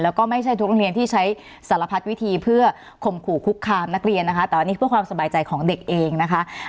แล้วก็ไม่ใช่ทุกโรงเรียนที่ใช้สารพัดวิธีเพื่อข่มขู่คุกคามนักเรียนนะคะแต่อันนี้เพื่อความสบายใจของเด็กเองนะคะ